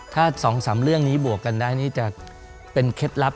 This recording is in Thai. ถ้า๒๓เรื่องนี้บวกกันได้นี่จะเป็นเคล็ดลับ